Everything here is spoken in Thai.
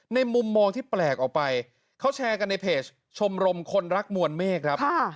มุมมองที่แปลกออกไปเขาแชร์กันในเพจชมรมคนรักมวลเมฆครับ